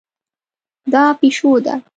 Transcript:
دا پیشو ده